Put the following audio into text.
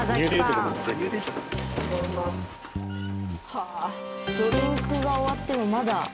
はあドリンクが終わってもまだ。